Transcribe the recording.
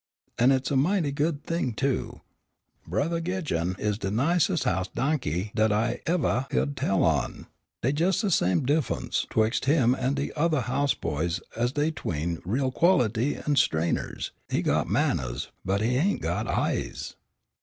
"An' it's a mighty good thing, too. Brothah Gidjon is de nicest house dahky dat I ever hyeahd tell on. Dey jes' de same diffunce 'twixt him an' de othah house boys as dey is 'tween real quality an' strainers he got mannahs, but he ain't got aihs."